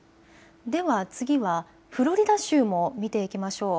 では次はフロリダ州も見ていきましょう。